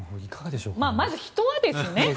まず人はですね。